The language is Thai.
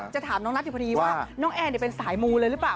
จะถามน้องนัทอยู่พอดีว่าน้องแอนเป็นสายมูเลยหรือเปล่า